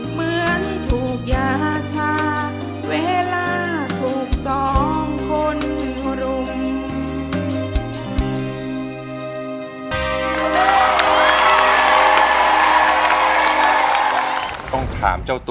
เหมือนถูกยาชา